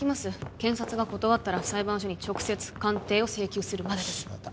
検察が断ったら裁判所に直接鑑定を請求するまでです